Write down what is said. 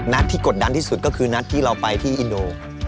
นัดที่กดดันที่สุดก็คือนัดที่เราไปที่อินโด